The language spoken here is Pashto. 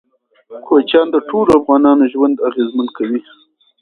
کوچیان د ټولو افغانانو ژوند اغېزمن کوي.